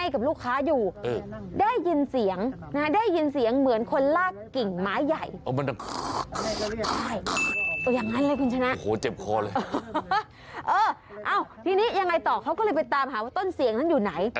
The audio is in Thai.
กับลูกค้าอยู่ได้ยินเสียงนะฮะได้ยินเสียงเหมือนคนลากกิ่งม้าใหญ่